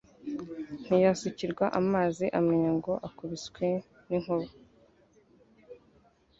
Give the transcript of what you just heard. Ntiyasukirwa amazi Umenya ngo akubiswe n'inkuba